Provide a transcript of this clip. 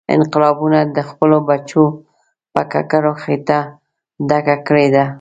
انقلابونو د خپلو بچو په ککرو خېټه ډکه کړې ده.